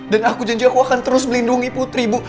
dan aku janji aku akan terus melindungi putri bu